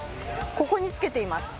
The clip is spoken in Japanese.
ここにつけています。